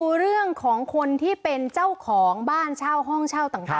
ดูเรื่องของคนที่เป็นเจ้าของบ้านเช่าห้องเช่าต่าง